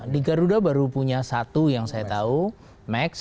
di garuda baru punya satu yang saya tahu max